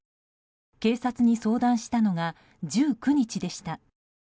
警察に相談したのが１９日でした。